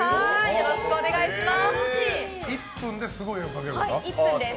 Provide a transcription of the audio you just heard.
よろしくお願いします。